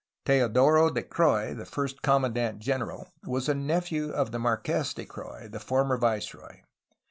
Teodoro de Croix, the first commandant general, was a nephew of the Marques de Croix, the former viceroy.